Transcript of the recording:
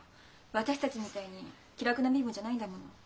私たちみたいに気楽な身分じゃないんだもの。